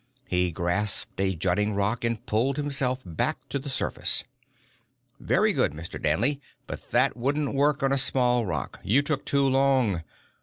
He grasped a jutting rock and pulled himself back to the surface. "Very good, Mr. Danley but that wouldn't work on a small rock. You took too long.